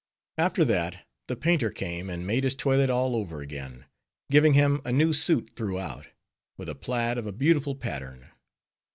After that the painter came and made his toilet all over again; giving him a new suit throughout, with a plaid of a beautiful pattern.